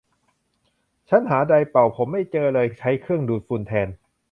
ชั้นหาไดร์เป่าผมไม่เจอเลยใช้เครื่องดูดฝุ่นแทน